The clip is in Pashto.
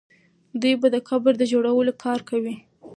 دوی به د قبر د جوړولو کار کوي.